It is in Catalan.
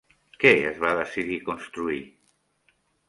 Què es va decidir construir?